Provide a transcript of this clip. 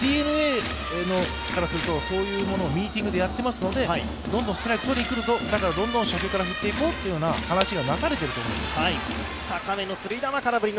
ＤｅＮＡからすると、そういうものをミーティングでやっていますのでどんどんストライクを取りにくるぞ、だから初球からどんどん振っていこうという話がなされていると思います。